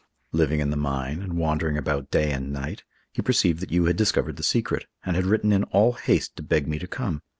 Living in the mine, and wandering about day and night, he perceived that you had discovered the secret, and had written in all haste to beg me to come.